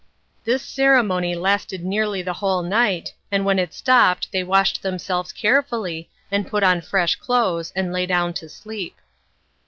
This ceremony lasted nearly the whole night, and when it stopped they washed themselves carefully, and put on fresh clothes, and lay down to sleep.